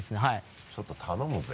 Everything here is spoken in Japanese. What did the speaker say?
ちょっと頼むぜ。